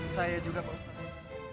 saya juga pak ustadz